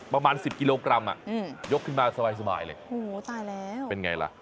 ประมาณสิบกิโลกรัมอ่ะอืมยกขึ้นมาสบายเลยโอ้โหตายแล้วเป็นไงล่ะ